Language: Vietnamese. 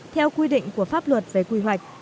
theo quy định của pháp luật về quy hoạch